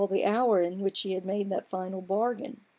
the hour in which he had made that fatal bargain.